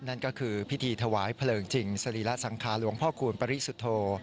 นั่นก็คือพิธีถวายเพลิงจริงสรีระสังขารหลวงพ่อคูณปริสุทธโธ